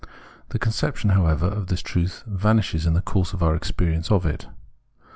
The conception, however, of this truth vanishes in the course of our experience of it.